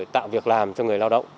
tạo việc làm cho người lao động